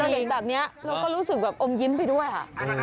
อย่างแบบนี้เราก็รู้สึกอมยิ้นไปด้วย